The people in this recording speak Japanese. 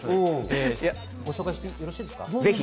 ご紹介してよろしいですか？